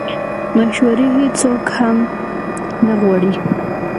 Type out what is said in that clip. مشورې هیڅوک هم نه غواړي